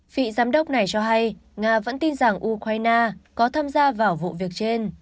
vị giám đốc này cho hay nga vẫn tin rằng ukraine có tham gia vào vụ việc trên